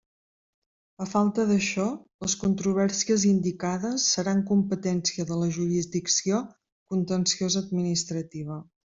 A falta d'això, les controvèrsies indicades seran competència de la jurisdicció contenciosa administrativa.